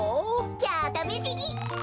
じゃあためしにえい！